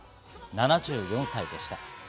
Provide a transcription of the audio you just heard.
７４歳でした。